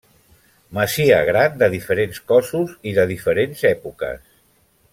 Masia gran de diferents cossos i de diferents èpoques.